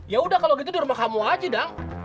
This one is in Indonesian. ya udah kalau gitu di rumah kamu aja dong